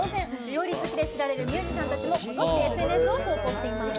料理好きで知られるミュージシャンたちもこぞってＳＮＳを投稿しています。